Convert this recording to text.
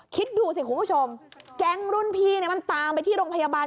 คิดดูสิคุณผู้ชมแก๊งรุ่นพี่เนี่ยมันตามไปที่โรงพยาบาล